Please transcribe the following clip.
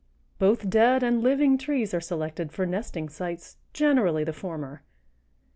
Both dead and living trees are selected for nesting sites, generally the former.